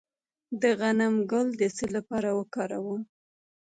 د غنم ګل د څه لپاره وکاروم؟